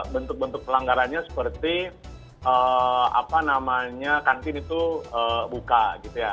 bentuk bentuk pelanggarannya seperti kantin itu buka gitu ya